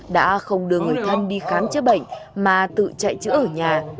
đã không đưa người thân đi khám chữa bệnh mà tự chạy chữa ở nhà